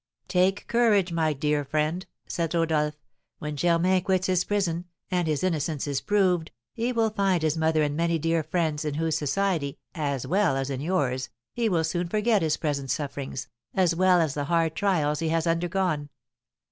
"Take courage, my dear friend," said Rodolph. "When Germain quits his prison, and his innocence is proved, he will find his mother and many dear friends, in whose society, as well as in yours, he will soon forget his present sufferings, as well as the hard trials he has undergone."